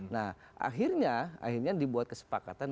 nah akhirnya dibuat kesepakatan